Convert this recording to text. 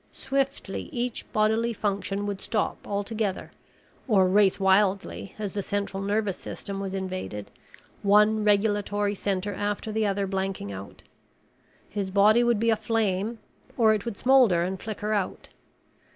Swiftly each bodily function would stop altogether or race wildly as the central nervous system was invaded, one regulatory center after the other blanking out. His body would be aflame or it would smolder and flicker out.